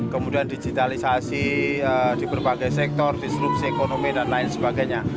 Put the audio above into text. kemudian digitalisasi di berbagai sektor disrupsi ekonomi dan lain sebagainya